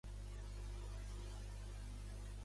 Es diu Olívia: o, ela, i amb accent tancat, ve baixa, i, a.